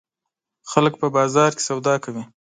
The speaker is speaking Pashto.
خلک په بازار کې سودا کوي.